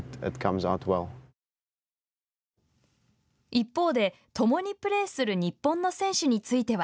一方で、共にプレーする日本の選手については。